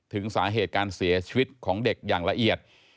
ถึงสาเหตุการเสียชีวิตของเด็กอย่างละเอียด